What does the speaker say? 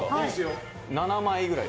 ７枚ぐらい。